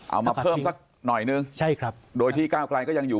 เอามาเพิ่มสักหน่อยนึงใช่ครับโดยที่ก้าวไกลก็ยังอยู่